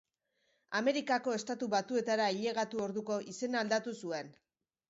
Amerikako Estatu Batuetara ailegatu orduko, izena aldatu zuen.